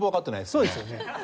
そうですよね。